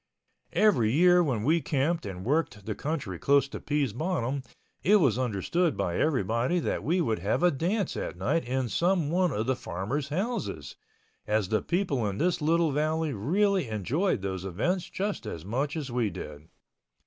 Every year when we camped and worked the country close to Pease Bottom it was understood by everybody that we would have a dance at night in some one of the farmers' houses, as the people in this little valley really enjoyed those events just as much as we did.